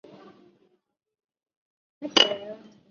一小群热情的中国人基督徒散布在城市的东部。